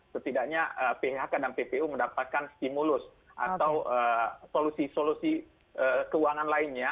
setidaknya phk dan ppu mendapatkan stimulus atau solusi solusi keuangan lainnya